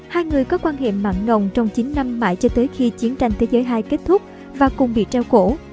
hai người có quan hệ mặn nồng trong chín năm mãi cho tới khi chiến tranh thế giới hai kết thúc và cùng bị treo cổ